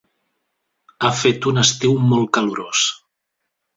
Ha fet un estiu molt calorós.